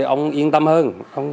ông yên tâm hơn